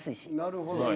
なるほどね。